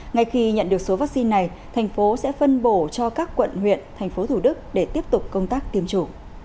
ngay khi nhận được số vaccine này thành phố sẽ phân bổ cho các quận huyện thành phố thủ đức để tiếp tục công tác tiêm chủng